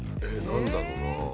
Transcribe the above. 何だろうな？